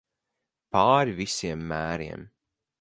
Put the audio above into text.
Pāri visiem mēriem.